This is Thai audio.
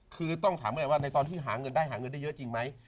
คือต้องถามไงว่าในตอนที่หาเงินได้หาเงินได้เยอะจริงไหม